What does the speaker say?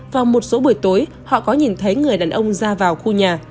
vào một số buổi tối họ có nhìn thấy người đàn ông ra vào khu nhà